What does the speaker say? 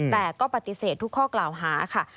แต่ก็ปฏิเสธทุกข้อกล่าวหาค่ะ